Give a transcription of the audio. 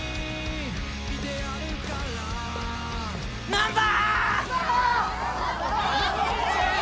・難破！